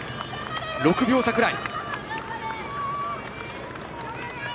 ６秒差くらい。